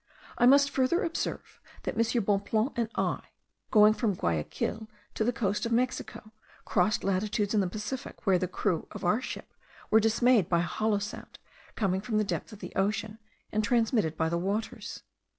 I must further observe, that M. Bonpland and I, going from Guayaquil to the coast of Mexico, crossed latitudes in the Pacific, where the crew of our ship were dismayed by a hollow sound coming from the depth of the ocean, and transmitted by the waters.